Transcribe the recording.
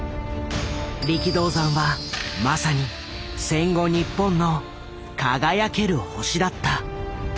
力道山はまさに戦後日本の輝ける星だった。